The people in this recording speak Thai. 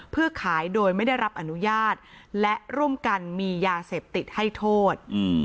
เพื่อขายโดยไม่ได้รับอนุญาตและร่วมกันมียาเสพติดให้โทษ